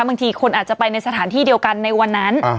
บางทีคนอาจจะไปในสถานที่เดียวกันในวันนั้น